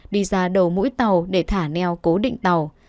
đi ra đầu mũi tàu để thả neo cố định tàu